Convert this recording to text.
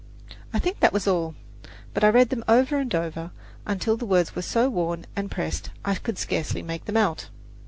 I think that was all; but I read them over and over, until the words were so worn and pressed I could scarcely make them out.